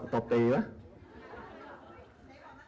ตบตีไหม